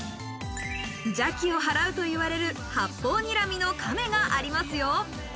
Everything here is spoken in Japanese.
邪気をはらうといわれる、八方睨みの亀がありますよ。